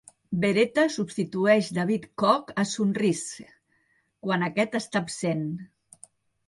Beretta, substitueix David Koch a Sunrise, quan aquest està absent.